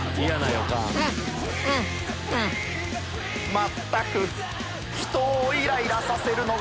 まったく・人をイライラさせるのが